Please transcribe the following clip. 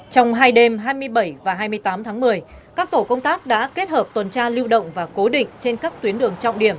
trong hai đêm hai mươi bảy và hai mươi tám tháng một mươi các tổ công tác đã kết hợp tuần tra lưu động và cố định trên các tuyến đường trọng điểm